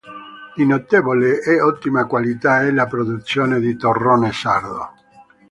Di notevole e ottima qualità è la produzione di torrone sardo.